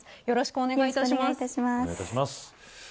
よろしくお願いします。